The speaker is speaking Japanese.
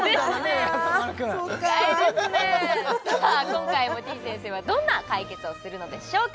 今回もてぃ先生はどんな解決をするのでしょうか？